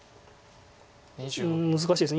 うん難しいです。